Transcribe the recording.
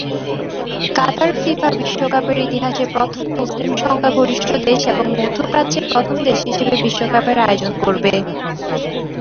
কাতার FIFA বিশ্বকাপের ইতিহাসে প্রথম মুসলিম সংখ্যাগরিষ্ঠ দেশ এবং মধ্যপ্রাচ্যের প্রথম দেশ হিসেবে বিশ্বকাপের আয়োজন করবে।